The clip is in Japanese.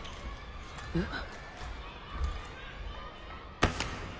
えっ？